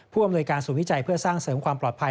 อำนวยการศูนย์วิจัยเพื่อสร้างเสริมความปลอดภัย